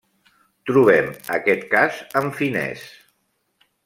Trobem aquest cas en finès.